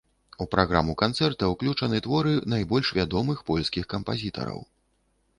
У праграму канцэрта ўключаны творы найбольш вядомых польскіх кампазітараў.